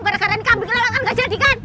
gara gara ini kambing lelah kan nggak jadi kan